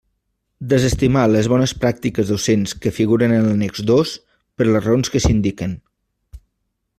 Desestimar les bones pràctiques docents que figuren en l'annex dos per les raons que s'indiquen.